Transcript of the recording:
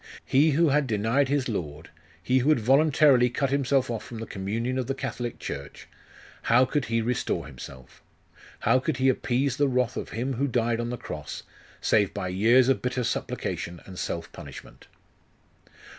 He who had denied his Lord, he who had voluntarily cut himself off from the communion of the Catholic Church how could he restore himself? How could he appease the wrath of Him who died on the cross, save by years of bitter supplication and self punishment?....